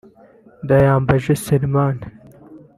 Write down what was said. Ndayambaje Selemani